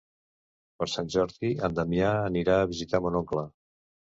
Per Sant Jordi en Damià anirà a visitar mon oncle.